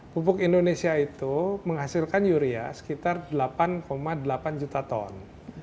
pupuk indonesia itu menghasilkan yuria sekitar delapan delapan juta ton